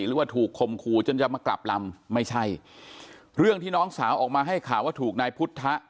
หรือว่าถูกคมคู่จนจะมากลับลำไม่ใช่เรื่องที่น้องสาวออกมาให้ข่าวว่าถูกนายพุทธะ